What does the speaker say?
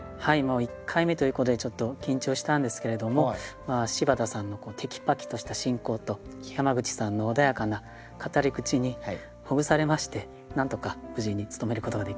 １回目ということでちょっと緊張したんですけれども柴田さんのテキパキとした進行と山口さんの穏やかな語り口にほぐされましてなんとか無事に務めることができました。